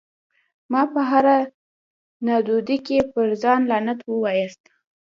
مه په هره نادودي کي پر ځان لعنت واياست